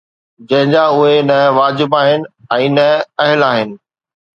جنهن جا اهي نه واجب آهن ۽ نه اهل آهن